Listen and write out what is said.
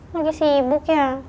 lagi sibuk ya